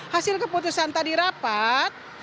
hasil keputusan tadi rapat